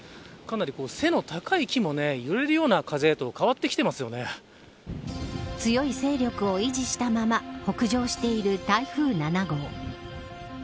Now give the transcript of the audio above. かなり背の高い木も揺れるような風へと強い勢力を維持したまま北上している台風７号。